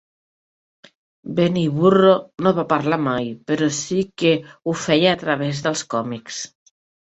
Benny Burro no va parlar mai, però sí que ho feia a través dels còmics.